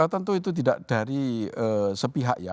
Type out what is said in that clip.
tentu itu tidak dari sepihak ya